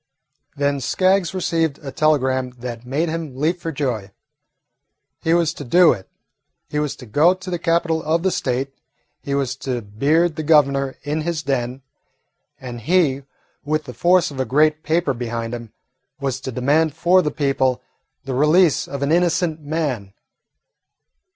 Then Skaggs received a telegram that made him leap for joy. He was to do it. He was to go to the capital of the State. He was to beard the Governor in his den, and he, with the force of a great paper behind him, was to demand for the people the release of an innocent man.